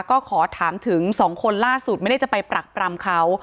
ก็ขอถามถึง๒คนล่าสุดไม่ได้จะไปปรักปรำเขา